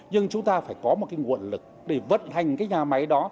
nhưng chúng ta phải có một cái nguồn lực để vận hành cái nhà máy đó